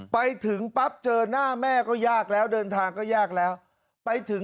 ไปถึงปั๊บเจอหน้าแม่ก็ยากแล้วเดินทางก็ยากแล้วไปถึง